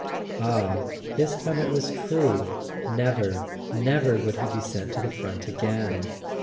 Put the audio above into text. Ah, this time it was true—never, never would he be sent to the front again!